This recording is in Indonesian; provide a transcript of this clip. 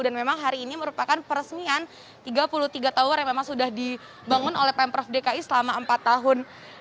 dan memang hari ini merupakan peresmian tiga puluh tiga tower yang memang sudah dibangun oleh pemprov dki selama empat tahun